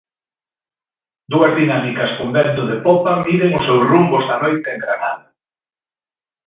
Dúas dinámicas con vento de popa miden o seu rumbo esta noite en Granada.